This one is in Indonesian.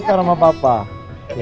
udah udah udah nanti sama miss kiki